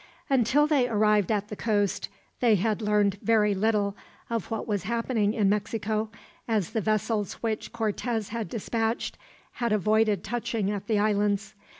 Until they arrived at the coast, they had learned very little of what was happening in Mexico, as the vessels which Cortez had dispatched had avoided touching at the islands.